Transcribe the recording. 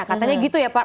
katanya gitu ya pak